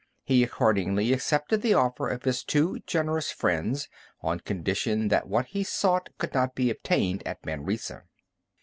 He accordingly accepted the offer of his two generous friends on condition that what he sought could not be obtained at Manresa.